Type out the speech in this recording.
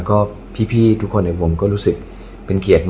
แล้ววันนี้ผมมีสิ่งหนึ่งนะครับเป็นตัวแทนกำลังใจจากผมเล็กน้อยครับ